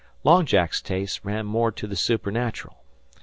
Long Jack's tastes ran more to the supernatural.